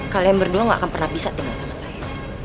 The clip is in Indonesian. kalian berdua gak akan pernah bisa tinggal sama saya